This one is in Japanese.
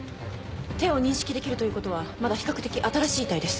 手を認識できるということはまだ比較的新しい遺体です。